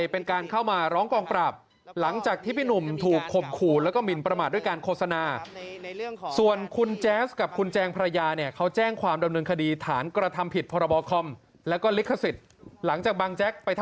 ผมบังแจ๊กเองเขาก็พิมพ์หรอก